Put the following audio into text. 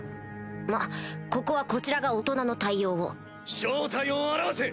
まっここはこちらが大人の対応を・正体を現せ！